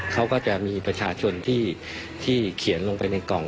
เขาก็จะมีประชาชนที่เขียนลงไปในกล่อง